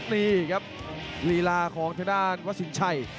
นี่ครับลีลาของทางด้านวัดสินชัย